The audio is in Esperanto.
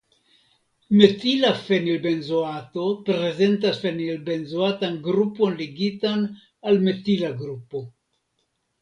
Metila fenilbenzoato prezentas fenilbenzoatan grupon ligitan al metila grupo.